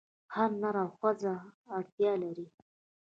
هر نر او ښځه اړتیا لري.